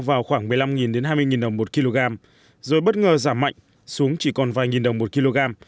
vào khoảng một mươi năm hai mươi đồng một kg rồi bất ngờ giảm mạnh xuống chỉ còn vài nghìn đồng một kg